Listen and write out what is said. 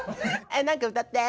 え何か歌って。